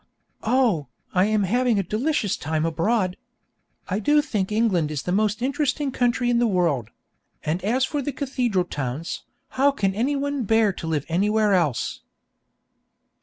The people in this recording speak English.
Oh! I am having a delicious time abroad! I do think England is the most interesting country in the world; and as for the cathedral towns, how can anyone bear to live anywhere else?